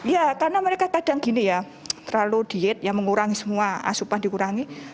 ya karena mereka kadang gini ya terlalu diet ya mengurangi semua asupan dikurangi